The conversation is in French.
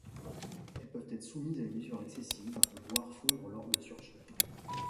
Elles peuvent être soumises à une usure excessive, voire fondre lors de surchauffe.